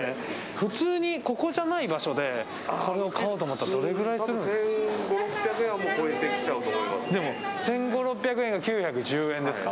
普通にここじゃない場所で買おうと思ったらどれくらいするんですか？